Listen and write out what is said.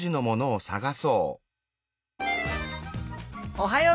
おはよう！